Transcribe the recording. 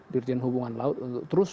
dirjen hubungan laut untuk terus